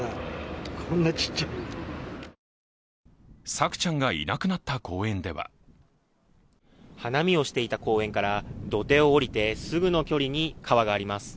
朔ちゃんがいなくなった公園では花見をしていた公園から土手を下りてすぐの距離に川があります。